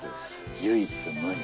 唯一無二。